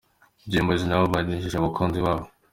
Dream Boys nabo banejeje abakunzi babo.